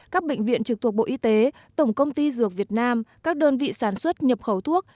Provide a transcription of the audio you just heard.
các bệnh viện trực thuộc bộ y tế tổng công ty dược việt nam các đơn vị sản xuất nhập khẩu thuốc